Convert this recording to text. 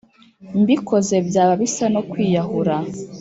Mbikoze byaba bisa no kwiyahura